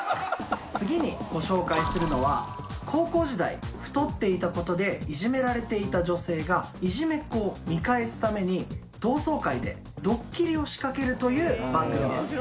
次にご紹介するのは高校時代太っていたことでイジメられていた女性がイジメっ子を見返すために同窓会でドッキリを仕掛けるという番組です。